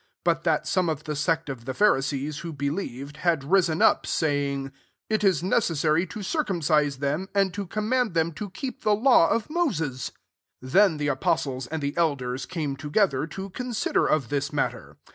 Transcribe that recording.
5 But that some of the sect of the Pharisees, who believed, had risen up, saying, *' It is necessary to cir cumcise them,* and ,to com mand them to keep the law of Moses." 6 Then the apostles and the elders came together, to consi der of this matter.